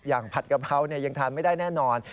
ผัดกะเพรายังทานไม่ได้แน่นอน